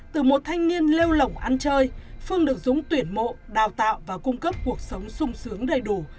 từ một thanh niên lêu lỏng ăn chơi phương được dũng tuyển mộ đào tạo và cung cấp cuộc sống sung sướng đầy đủ